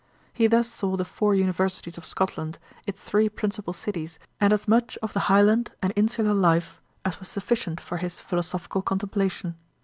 He thus saw the four Universities of Scotland, its three principal cities, and as much of the Highland and insular life as was sufficient for his philosophical contemplation.